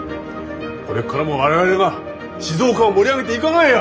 これっからも我々が静岡を盛り上げていかまいや！